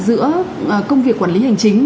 giữa công việc quản lý hành chính